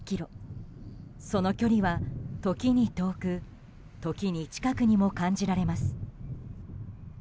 その距離は時に遠く時に近くにも感じられます。